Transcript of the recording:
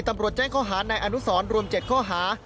ตำรวจแจ้งข้อหารในอนุสรรค์รวม๗ข้อหาร์